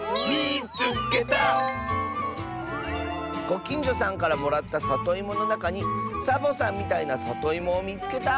「ごきんじょさんからもらったさといものなかにサボさんみたいなさといもをみつけた！」。